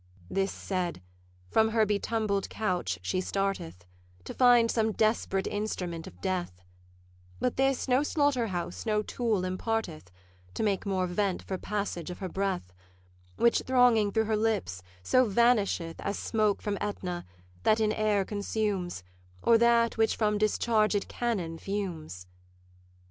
This said, from her be tumbled couch she starteth, To find some desperate instrument of death: But this no slaughterhouse no tool imparteth To make more vent for passage of her breath; Which, thronging through her lips, so vanisheth As smoke from Aetna, that in air consumes, Or that which from discharged cannon fumes.